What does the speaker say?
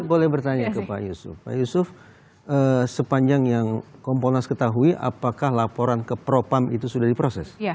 boleh bertanya ke pak yusuf pak yusuf sepanjang yang kompolnas ketahui apakah laporan ke propam itu sudah diproses